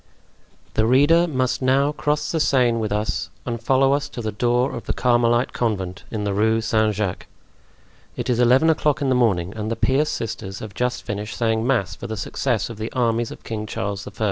The reader must now cross the Seine with us and follow us to the door of the Carmelite Convent in the Rue Saint Jacques. It is eleven o'clock in the morning and the pious sisters have just finished saying mass for the success of the armies of King Charles I.